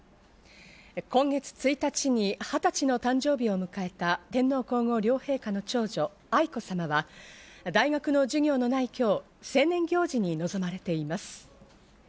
今月１日に２０歳の誕生日を迎えた天皇皇后両陛下の長女、愛子さまが大学の授業のない今日、成年行事に臨まれています。